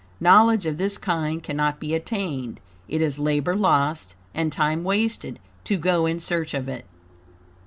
KNOWLEDGE OF THIS KIND CANNOT BE ATTAINED; it is labor lost and TIME wasted to go in search of it.